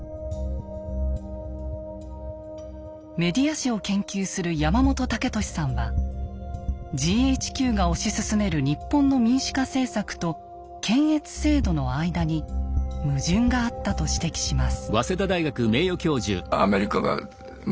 メディア史を研究する山本武利さんはＧＨＱが推し進める日本の民主化政策と検閲制度の間に矛盾があったと指摘します。